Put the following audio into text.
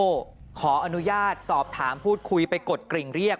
ก็แฟนหนุ่มของป้านุญาตสอบถามพูดคุยไปกดกลิ่งเรียก